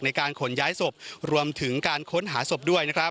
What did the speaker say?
ในการขนย้ายศพรวมถึงการค้นหาศพด้วยนะครับ